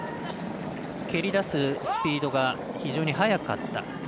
蹴り出すスピードが非常に速かった。